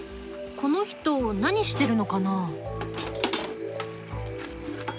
この人何してるのかな？